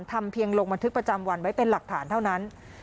ทำเพียงลงบันทึกประจำวันไว้เป็นหลักฐานเท่านั้น